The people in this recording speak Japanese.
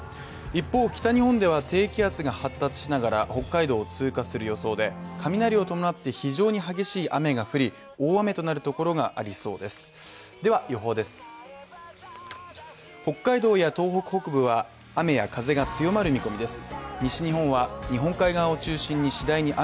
一方北日本では低気圧が発達しながら北海道を通過する予想で、雷を伴って非常に激しい雨が降り、大雨となるところがありそうです